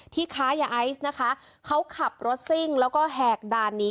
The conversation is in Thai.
ค้ายาไอซ์นะคะเขาขับรถซิ่งแล้วก็แหกด่านนี้